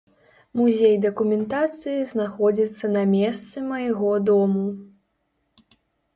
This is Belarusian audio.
Музей дакументацыі знаходзіцца на месцы майго дому.